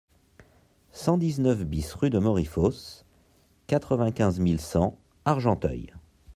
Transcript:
cent dix-neuf BIS rue de Morifosse, quatre-vingt-quinze mille cent Argenteuil